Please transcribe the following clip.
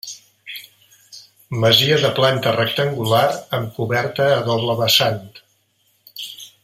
Masia de planta rectangular amb coberta a doble vessant.